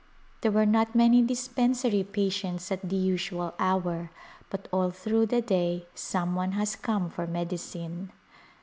There were not many dispensary patients at the usual hour but all through the day some one has come for medicine.